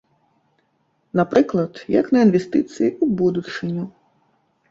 Напрыклад, як на інвестыцыі ў будучыню.